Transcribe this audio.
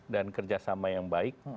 dan kerjasama yang baik